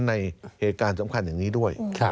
ในเหตุการณ์สำคัญอย่างนี้ด้วย